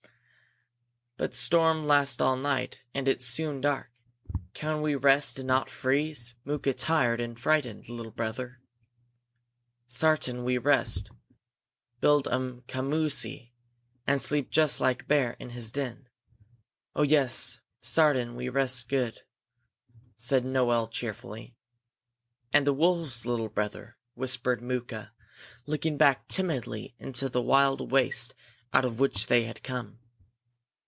"But storm last all night, and it's soon dark. Can we rest and not freeze? Mooka tired and and frightened, little brother." "Sartin we rest; build um commoosie and sleep jus' like bear in his den. Oh, yes, sartin we rest good," said Noel cheerfully. "And the wolves, little brother?" whispered Mooka, looking back timidly into the wild waste out of which they had come.